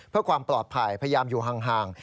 เพื่อความปลอดภัยพยายามอยู่ห่าง